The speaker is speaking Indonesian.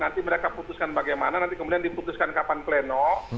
nanti mereka putuskan bagaimana nanti kemudian diputuskan kapan pleno